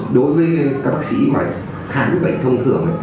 đối với các bác sĩ mà khả nữ bệnh thông thường